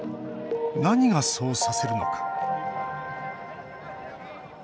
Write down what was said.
何がそうさせるのか。